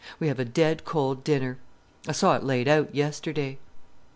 We have a dead cold dinner. I saw it laid out yesterday.